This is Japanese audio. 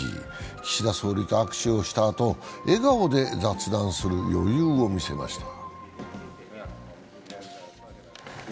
岸田総理と握手をしたあと、笑顔で雑談する余裕も見せました。